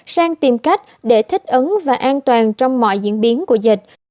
sang tìm cách để thích ứng và an toàn trong mọi diễn biến của dịch